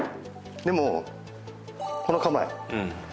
でもこの構え。